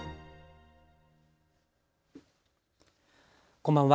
こんばんは。